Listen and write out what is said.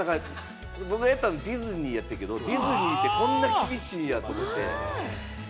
僕がやったのディズニーやったんやけれども、ディズニーってこんな厳しいやって思いましたね。